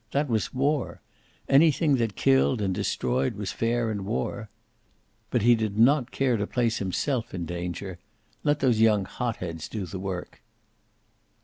That was war. Anything that killed and destroyed was fair in war. But he did not care to place himself in danger. Let those young hot heads do the work.